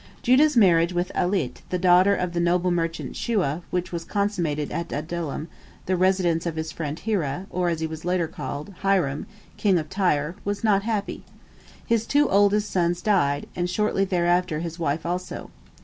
Judah's marriage with Alit the daughter of the noble merchant Shua, which was consummated at Adullam, the residence of his friend Hirah, or, as he was called later, Hiram, king of Tyre, was not happy. His two oldest sons died, and shortly thereafter his wife also.